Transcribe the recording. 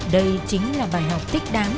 đây chính là bài học tích đám